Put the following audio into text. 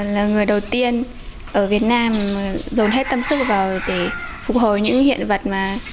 là người đầu tiên ở việt nam dồn hết tâm sức vào để phục hồi những hiện vật mà